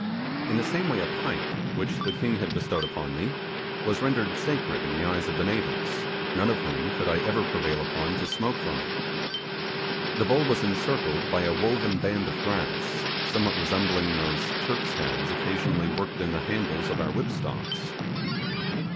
In the same way a pipe, which the king had bestowed upon me, was rendered sacred in the eyes of the natives, none of whom could I ever prevail upon to smoke from it. The bowl was encircled by a woven band of grass, somewhat resembling those Turks' heads occasionally worked in the handles of our whip stalks.